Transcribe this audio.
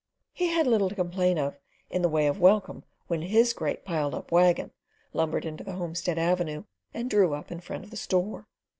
He had little to complain of in the way of welcome when his great piled up waggon lumbered into the homestead avenue and drew up in front of the store.